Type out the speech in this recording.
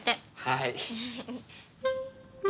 はい。